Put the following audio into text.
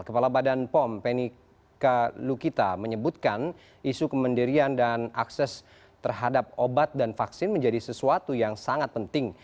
kepala badan pom penny kalukita menyebutkan isu kemandirian dan akses terhadap obat dan vaksin menjadi sesuatu yang sangat penting